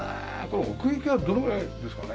これ奥行きはどのぐらいですかね？